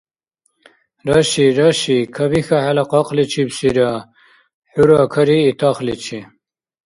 Раши, раши кабихьа хӀела къакъличибсира, хӀура карии тахличи.